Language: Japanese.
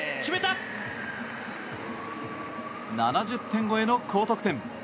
７０点超えの高得点。